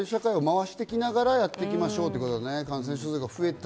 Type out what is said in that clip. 社会を回していきながら、やっていきましょうということだよね。